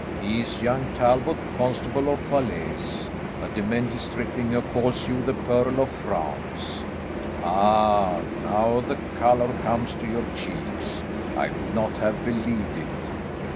He is young Talbot, Constable of Falaise, a demented stripling who calls you the Pearl of France. Ah, now the colour comes to your cheeks. I would not have believed it.